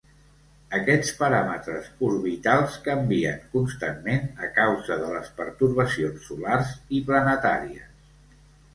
Aquests paràmetres orbitals canvien constantment a causa de les pertorbacions solars i planetàries.